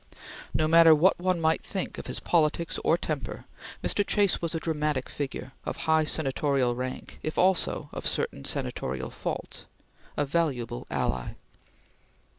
No matter what one might think of his politics or temper, Mr. Chase was a dramatic figure, of high senatorial rank, if also of certain senatorial faults; a valuable ally.